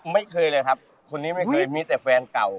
ไม่เคยเลยครับคนนี้ไม่เคยมีแต่แฟนเก่า